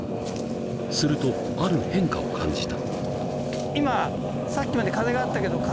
［するとある変化を感じた］